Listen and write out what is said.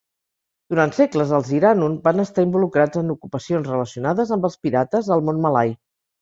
Durant segles, els Iranun van estar involucrats en ocupacions relacionades amb els pirates al món malai.